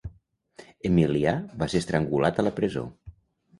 Emilià va ser estrangulat a la presó.